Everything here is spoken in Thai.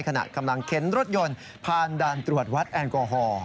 ขณะกำลังเข็นรถยนต์ผ่านด่านตรวจวัดแอลกอฮอล์